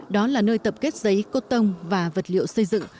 đó là nơi tập kết giấy cốt tông và vật liệu xây dựng